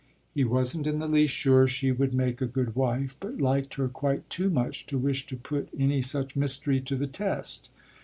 He wasn't in the least sure she would make a good wife, but liked her quite too much to wish to put any such mystery to the test.